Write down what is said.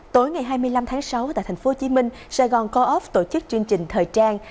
tối ngày hai mươi năm tháng sáu tại thành phố hồ chí minh sài gòn co op tổ chức chương trình thời trang